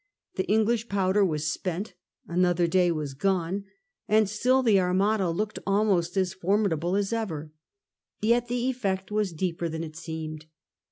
The English powder was spent, another day was gone, and still the Armada looked almost as formidable as ever. Yet the effect was deeper than it seemed.